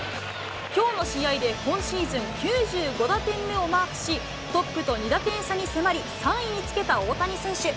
きょうの試合で、今シーズン９５打点目をマークし、トップと２打点差に迫り、３位につけた大谷選手。